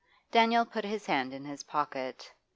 Daniel put his hand in his pocket.